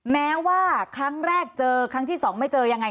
แม้ว่าครั้งแรกเจอครั้งที่สองไม่เจอยังไง